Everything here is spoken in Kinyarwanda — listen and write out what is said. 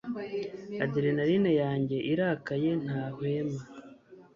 adrenaline yanjye irakaye ntahwema